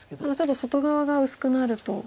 ただちょっと外側が薄くなると。